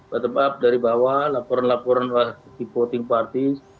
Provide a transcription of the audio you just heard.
bottom up dari bawah laporan laporan di voting party